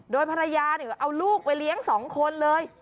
โดยภรรยาเอาลูกไปเลี้ยง๒คนเลย